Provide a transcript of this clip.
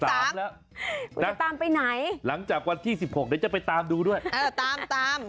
เพราะวันนี้วันที่๑๓แล้วนะหลังจากวันที่๑๖จะไปตามดูด้วยตาม